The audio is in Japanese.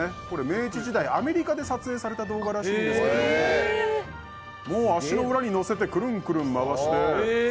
明治時代アメリカで撮影された動画らしいんですけど足の裏に乗せてくるんくるん回して。